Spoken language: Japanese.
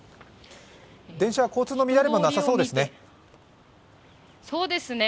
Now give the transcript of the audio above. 電車、交通の乱れもなさそうですね。